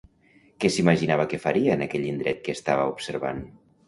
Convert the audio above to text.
Què s'imaginava que faria en aquell indret que estava observant?